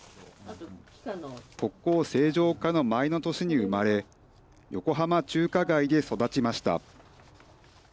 国交正常化の前の年に生まれ横浜中華街で育ちました。